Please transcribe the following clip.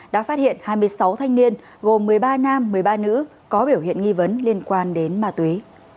đã phát hiện hai mươi sáu thanh niên gồm một mươi ba nam một mươi ba nữ có biểu hiện nghi vấn liên quan đến ma túy